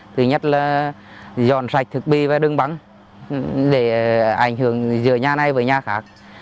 thứ nhất là dọn sạch thực bị và đường băng để ảnh hưởng giữa nhà này với nhà khác